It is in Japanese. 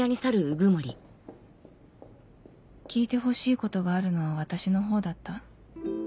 聞いてほしいことがあるのは私の方だった